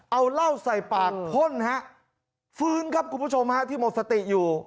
เอาเหล้าใส่ปากพ่นฮะฟื้นครับคุณผู้ชมฮะที่หมดสติอยู่